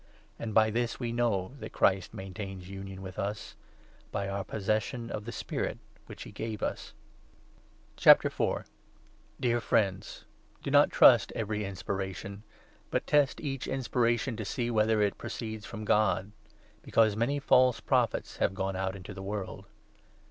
And by this we know that Christ maintains union with us — by our possession of the Spirit which he gave us. I. JOHN, 4. 481 IV. — TRUE AND FALSE INSPIRATION. Dear friends, do not trust every inspiration, Th* Test but test each inspiration, to see whether it pro inspiration. ceeds from God ; because many false Prophets have gone out into the world.